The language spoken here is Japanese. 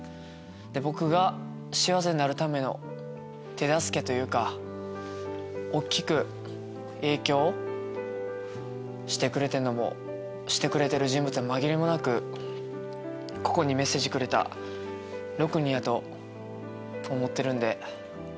僕が幸せになるための手助けというか大っきく影響してくれてる人物は紛れもなくここにメッセージくれた６人やと思ってるんで。